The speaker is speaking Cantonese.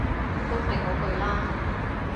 都係嗰句啦